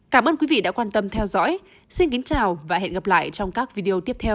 cảm ơn quý vị đã quan tâm theo dõi xin kính chào và hẹn gặp lại trong các video tiếp theo